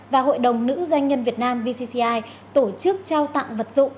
và hội đồng nữ doanh nhân việt nam vcci tổ chức trao tặng vật dụng